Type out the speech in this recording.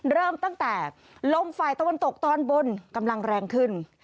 เริ่มตั้งแต่ลมฝ่ายตะวันตกตอนบนกำลังแรงขึ้น